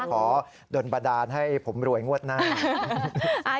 ขอโดนบันดาลให้ผมรวยงวดหน้า